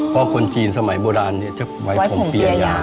เพราะคนจีนสมัยโบราณจะใว้หวเพียร์ยาว